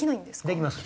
できます。